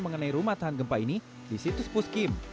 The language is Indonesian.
mengenai rumah tahan gempa ini di situs puskim